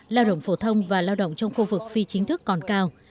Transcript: lao động phổ thông và lao động trong khu vực phi chính thức còn cao